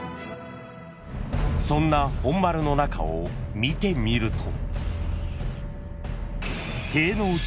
［そんな本丸の中を見てみると］